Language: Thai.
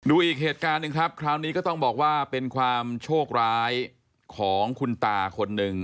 อีกเหตุการณ์หนึ่งครับคราวนี้ก็ต้องบอกว่าเป็นความโชคร้ายของคุณตาคนหนึ่ง